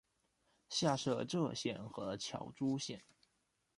下设柘县和乔珠县。